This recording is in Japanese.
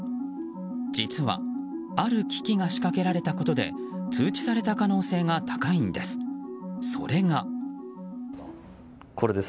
実はある機器が仕掛けられたことで通知された可能性が高いんです。